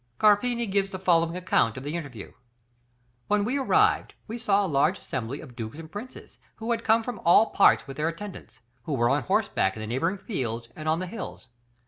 Carpini gives the following account of the interview: "When we arrived we saw a large assembly of dukes and princes who had come from all parts with their attendants, who were on horseback in the neighbouring fields and on the hills.